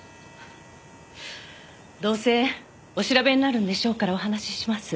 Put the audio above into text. どうせお調べになるんでしょうからお話しします。